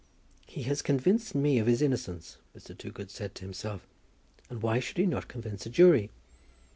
"He has convinced me of his innocence," Mr. Toogood said to himself, "and why should he not convince a jury?